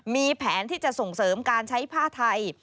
มีแผนที่จะส่งเสริมการใช้ผ้าไทย